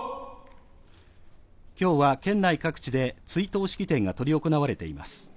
今日は県内各地で追悼式典が執り行われています。